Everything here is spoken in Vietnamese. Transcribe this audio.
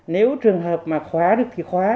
nếu trường hợp mà khóa được thì khóa